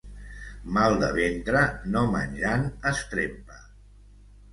Mal de ventre no menjant es trempa.